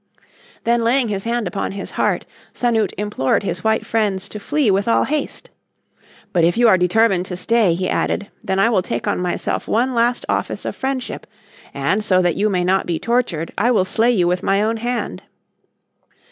Then laying his hand upon his heart Sanute implored his white friends to flee with all haste. "But if you are determined to stay," he added, "then I will take on myself one last office of friendship, and so that you may not be tortured I will slay you with my own hand."